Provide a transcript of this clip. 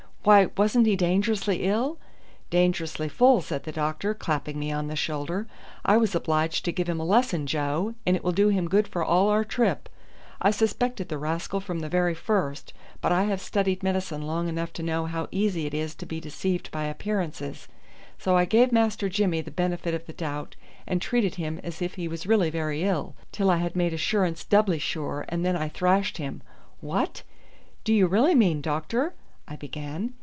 "Why, wasn't he dangerously ill?" "Dangerously full," said the doctor, clapping me on the shoulder. "I was obliged to give him a lesson, Joe, and it will do him good for all our trip. I suspected the rascal from the very first, but I have studied medicine long enough to know how easy it is to be deceived by appearances; so I gave Master Jimmy the benefit of the doubt, and treated him as if he was really very ill, till I had made assurance doubly sure, and then I thrashed him." "What! do you really mean, doctor " I began.